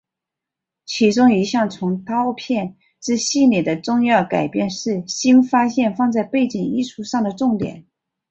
其中一项从导片至系列的重要改变是新发现放在背景艺术上的重点。